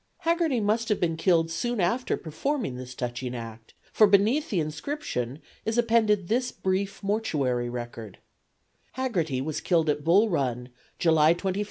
Haggerty must have been killed soon after performing this touching act, for beneath the inscription is appended this brief mortuary record: Haggerty was killed at Bull Run July 21, 1861.